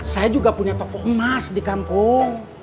saya juga punya toko emas di kampung